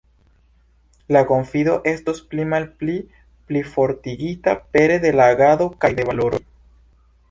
La konfido estos pli malpli plifortigita pere de agado kaj de valoroj.